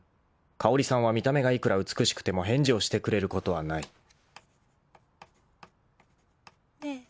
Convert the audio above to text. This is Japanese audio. ［香織さんは見た目がいくら美しくても返事をしてくれることはない］ねえ。